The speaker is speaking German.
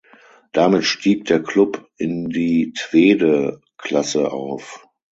Damit stieg der Klub in die Tweede Klasse auf.